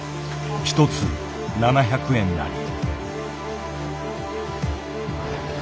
一つ７００円なり。